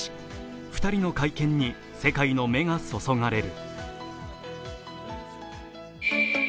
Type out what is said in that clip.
２人の会見に世界の目が注がれる。